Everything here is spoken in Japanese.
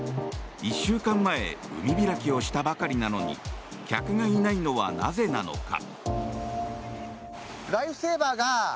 １週間前海開きをしたばかりなのに客がいないのはなぜなのか。